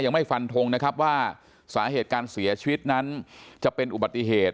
ยังไม่ฟันทงนะครับว่าสาเหตุการเสียชีวิตนั้นจะเป็นอุบัติเหตุ